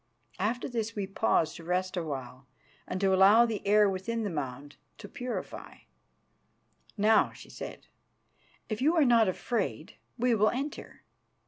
After this we paused to rest a while and to allow the air within the mound to purify. "Now," she said, "if you are not afraid, we will enter."